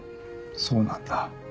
そうなんだ。